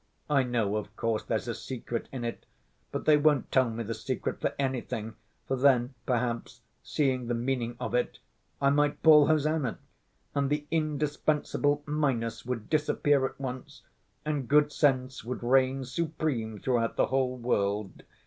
I know, of course, there's a secret in it, but they won't tell me the secret for anything, for then perhaps, seeing the meaning of it, I might bawl hosannah, and the indispensable minus would disappear at once, and good sense would reign supreme throughout the whole world.